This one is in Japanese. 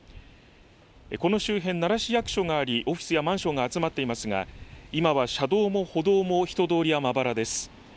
この周辺奈良市役所がありオフィスやマンションが集まっていますが今は、車道も歩道も人通りはまばらです。